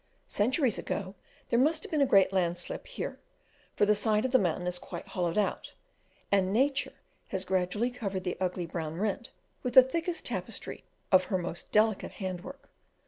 Centuries ago there must have been a great landslip here, for the side of the mountain is quite hollowed out, and Nature has gradually covered the ugly brown rent with the thickest tapestry of her most delicate handiwork.